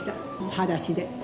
はだしで。